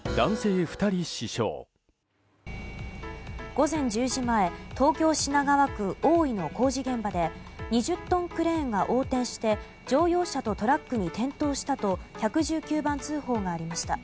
午前１０時前東京・品川区大井の工事現場で２０トンクレーンが横転して乗用車とトラックに転倒したと１１９番通報がありました。